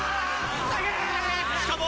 しかも。